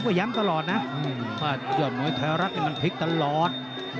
ผมก็ย้ำตลอดนะเพราะโดยโนยน์เท้ารักษ์เนี่ยมันพลิกตลอด